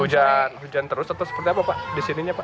hujan hujan terus atau seperti apa pak di sininya pak